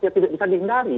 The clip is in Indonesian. ya tidak bisa dihindari